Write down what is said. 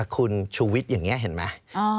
คุณชูวิทย์อย่างนี้เห็นไหม